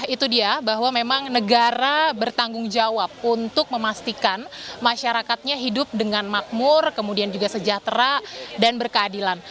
itu dia bahwa memang negara bertanggung jawab untuk memastikan masyarakatnya hidup dengan makmur kemudian juga sejahtera dan berkeadilan